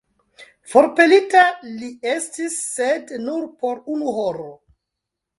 Forpelita li estis, sed nur por unu horo.